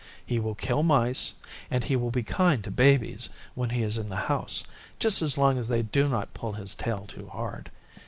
He will kill mice and he will be kind to Babies when he is in the house, just as long as they do not pull his tail too hard.